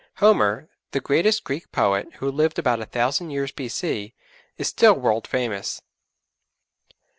Homer, the greatest Greek poet, who lived about a thousand years B.C., is still world famous.